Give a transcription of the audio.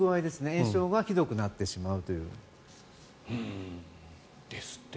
炎症がひどくなってしまうという。ですって。